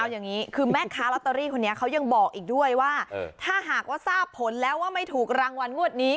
อย่างนี้คือแม่ค้าลอตเตอรี่คนนี้เขายังบอกอีกด้วยว่าถ้าหากว่าทราบผลแล้วว่าไม่ถูกรางวัลงวดนี้